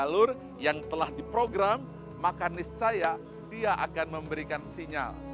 jalur yang telah diprogram maka niscaya dia akan memberikan sinyal